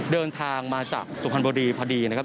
เดินทางมาจากสุพรรณบุรีพอดีนะครับ